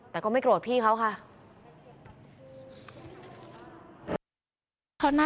แต่ก็ไม่โกรธพี่เขาค่ะ